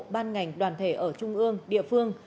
ban ngành đoàn thể ở trung ương địa phương